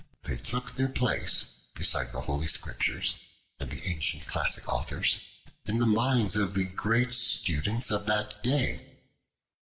They took their place beside the Holy Scriptures and the ancient classic authors, in the minds of the great students of that day.